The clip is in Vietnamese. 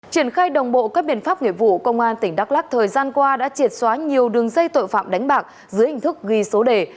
triển khai đồng bộ các biện pháp nghiệp vụ công an tỉnh đắk lắc thời gian qua đã triệt xóa nhiều đường dây tội phạm đánh bạc dưới hình thức ghi số đề